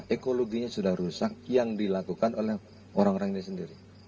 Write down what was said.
ekologinya sudah rusak yang dilakukan oleh orang orang ini sendiri